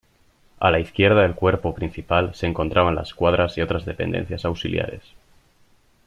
A la izquierda del cuerpo principal se encontraban las cuadras y otras dependencias auxiliares.